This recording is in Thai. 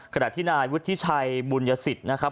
ขณะที่นายวุฒิชัยบุญยสิทธิ์นะครับ